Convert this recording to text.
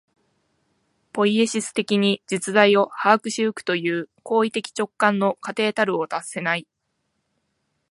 ポイエシス的に実在を把握し行くという行為的直観の過程たるを脱せない。